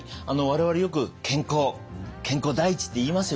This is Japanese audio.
我々よく健康健康第一って言いますよね。